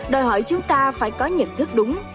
đòi hỏi chúng ta phải có nhận thức đúng